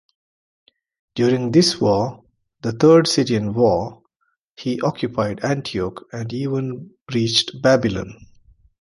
During this war, the Third Syrian War, he occupied Antioch and even reached Babylon.